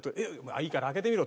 「いいから開けてみろ！」